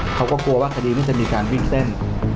เขาก็กลัวว่าคดีไม่จะมีการวิ่งเต้น